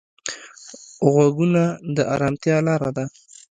غوږونه د ارامتیا لاره ده